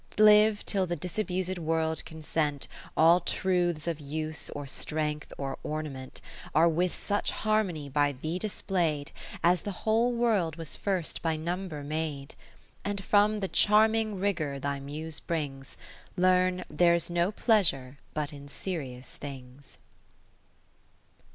Live till the disabused World con sent, All truths of use, or strength, or ornament, Are with such harmony by thee display'd. As the whole World was first by Number made ; And from the charming rigour thy Muse brings, Learn, there 's no pleasure but in serious things.